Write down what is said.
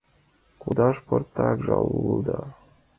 Кодаш — пыртак жал улыда.